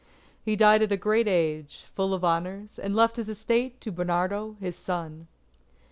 He died at a great age, full of honours, and left his estate to Bernardo his son.